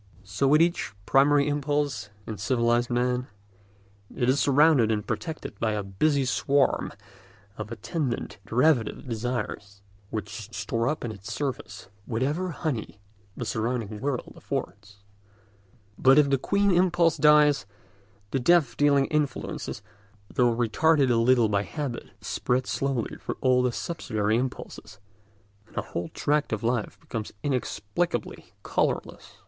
So with each primary impulse in civilised man: it is surrounded and protected by a busy swarm of attendant derivative desires, which store up in its service whatever honey the surrounding world affords. But if the queen impulse dies, the death dealing influence, though retarded a little by habit, spreads slowly through all the subsidiary impulses, and a whole tract of life becomes inexplicably colourless.